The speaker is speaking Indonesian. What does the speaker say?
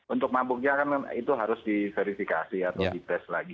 untuk mabuknya kan itu harus diverifikasi atau dites lagi